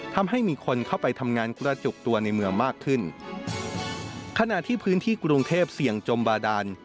ทำให้มีคนเข้าไปทำงานกระจุกตัวในเมืองมากขึ้นขณะที่พื้นที่กรุงเทพเสี่ยงจมบาดาน